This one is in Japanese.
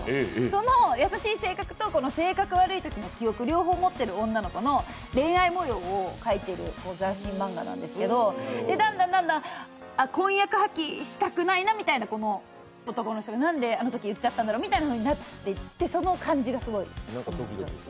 その優しい性格と、性格悪い記憶、両方持っている女の子の恋愛模様を描いている斬新漫画なんですけどだんだん婚約破棄したくないなみたいな、男の人が、なんであのとき言っちゃったんだろうみたいになっていってその感じがすごい。